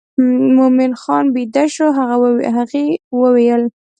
مومن خان بېده شو هغې وویل.